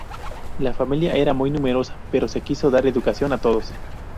La familia era muy numerosa, pero se quiso dar educación a todos.